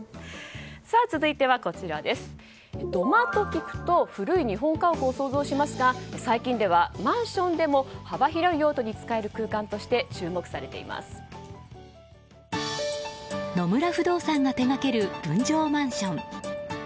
続いて、土間と聞くと古い日本家屋を想像しますが最近ではマンションでも幅広い用途に使える空間として野村不動産が手掛ける分譲マンション。